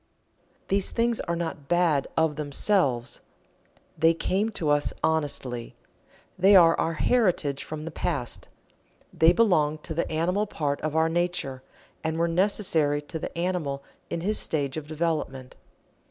These things are not "bad" of themselves they came to us honestly they are our heritage from the past. They belong to the animal part of our nature, and were necessary to the animal in his stage of development.